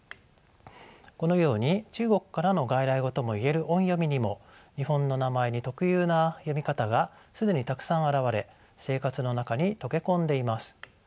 このように中国からの外来語とも言える音読みにも日本の名前に特有な読み方が既にたくさん現れ生活の中に溶け込んでいます。